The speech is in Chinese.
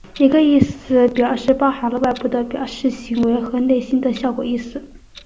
一个意思表示包含了外部的表示行为和内心的效果意思。